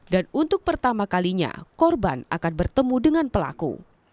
dan untuk pertama kalinya korban akan bertemu dengan pelaku